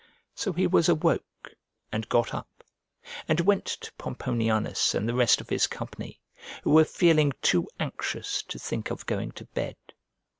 So he was awoke and got up, and went to Pomponianus and the rest of his company, who were feeling too anxious to think of going to bed.